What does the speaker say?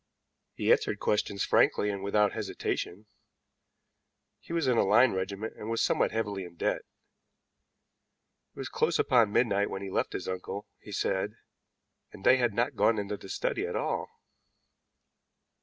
He answered questions frankly and without hesitation. He was in a line regiment, and was somewhat heavily in debt. It was close upon midnight when he left his uncle, he said, and they had not gone into the study at all.